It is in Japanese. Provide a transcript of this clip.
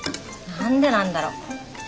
何でなんだろう？